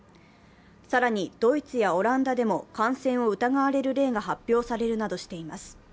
更にドイツやオランダでも感染を疑われる例が発表されるなどしています。